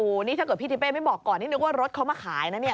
โอ้โหนี่ถ้าเกิดพี่ทิเป้ไม่บอกก่อนนี่นึกว่ารถเขามาขายนะเนี่ย